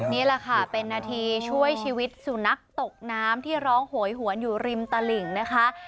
นี่แหละค่ะเป็นนาทีช่วยชีวิตสุนัขตกน้ำที่ร้องโหยหวนอยู่ริมตลิ่งนะคะ